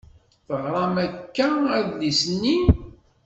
Teɣṛam akka adlis-nni?